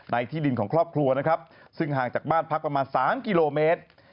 ที่ดินของครอบครัวนะครับซึ่งห่างจากบ้านพักประมาณ๓กิโลเมตร